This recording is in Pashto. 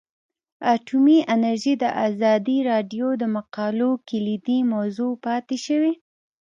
اټومي انرژي د ازادي راډیو د مقالو کلیدي موضوع پاتې شوی.